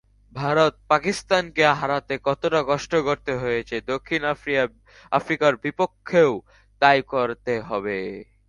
ভারত-পাকিস্তানকে হারাতে যতটা কষ্ট করতে হয়েছে, দক্ষিণ আফ্রিকার বিপক্ষেও তাই করতে হবে।